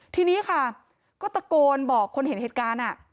ทีนี้ค่ะก็ตะโกนบอกคนเห็นเหตุการณ์